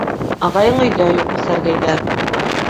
Ағайың өйҙә юҡ, Сәргәйҙә.